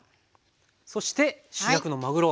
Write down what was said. そして主役のまぐろ